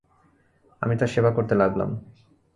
আমি তার সেবা করতে লাগলাম।